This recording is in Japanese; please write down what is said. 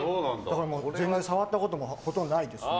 全然触ったこともほとんどないですね。